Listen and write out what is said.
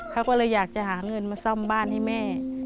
เขาก็เลยอยากจะหาเงินมาซ่อมบ้านให้แม่